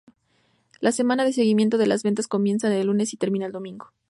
La semana de seguimiento de las ventas comienza el lunes y termina el domingo.